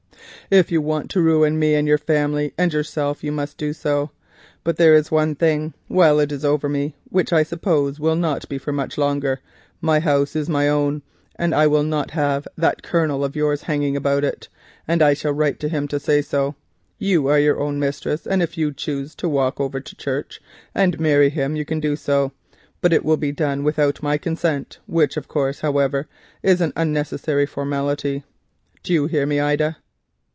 If you want to ruin me, your family and yourself, you must do so. But there is one thing. While it is over me, which I suppose will not be for much longer, my house is my own, and I will not have that Colonel of yours hanging about it, and I shall write to him to say so. You are your own mistress, and if you choose to walk over to church and marry him you can do so, but it will be done without my consent, which of course, however, is an unnecessary formality. Do you hear me, Ida?"